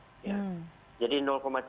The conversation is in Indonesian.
berukuran sampai dengan tiga mikron